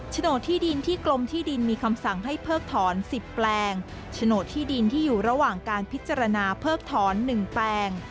โฉนดที่ดินที่กรมที่ดินมีคำสั่งให้เพิกถอน๑๐แปลงโฉนดที่ดินที่อยู่ระหว่างการพิจารณาเพิกถอน๑แปลง